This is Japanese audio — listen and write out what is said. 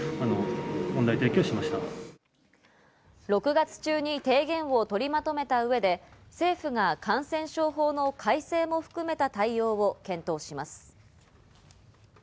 ６月中に提言を取りまとめた上で、政府が感染症法の改正も含めた対応を検討します。